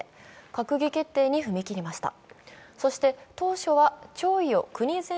閣議決定に踏み切りました。